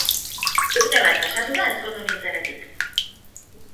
Urte bat pasatu da ezkondu nintzenetik